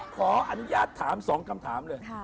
ขออนุญาตถาม๒คำถามเลย